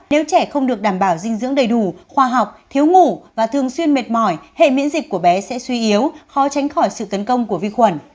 nếu trẻ không được đảm bảo dinh dưỡng đầy đủ khoa học thiếu ngủ và thường xuyên mệt mỏi hệ miễn dịch của bé sẽ suy yếu khó tránh khỏi sự tấn công của vi khuẩn